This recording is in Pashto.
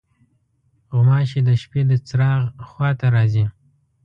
غوماشې د شپې د چراغ خوا ته راځي.